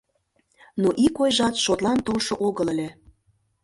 Но ик ойжат шотлан толшо огыл ыле.